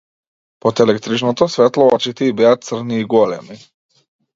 Под електричното светло очите и беа црни и големи.